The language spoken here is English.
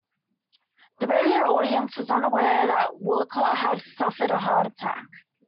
The radio audience was unaware that Woollcott had suffered a heart attack.